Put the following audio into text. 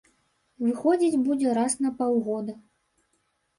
Выходзіць будзе раз на паўгода.